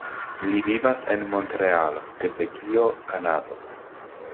Li vivas en Montrealo, Kebekio, Kanado.